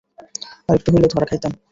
আরেকটু হইলে ধরা খাইতাম।